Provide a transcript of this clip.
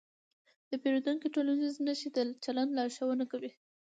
د پیریدونکي ټولنیزې نښې د چلند لارښوونه کوي.